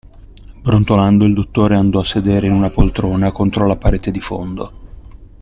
Brontolando il dottore andò a sedere in una poltrona, contro la parete di fondo.